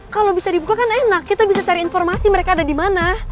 kalo bisa dibuka kan enak kita bisa cari informasi mereka ada dimana